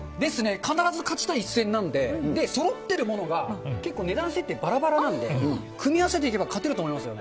必ず勝ちたい一戦なんで、そろってるものが結構、値段設定ばらばらなんで、組み合わせていけば勝てると思いますよね。